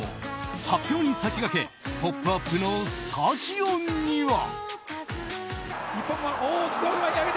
発表に先駆け「ポップＵＰ！」のスタジオには。